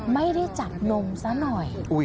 ไม่ได้จัดนมสักหน่อย